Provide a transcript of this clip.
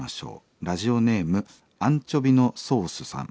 ラジオネームアンチョビのソースさん。